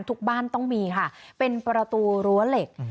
ทุกบ้านต้องมีค่ะเป็นประตูรั้วเหล็ก